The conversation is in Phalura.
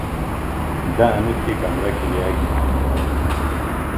دہ انوۡ تھی کمرہ ۔کِلیہ گھِن۔